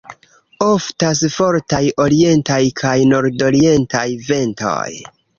Oftas fortaj orientaj kaj nordorientaj ventoj.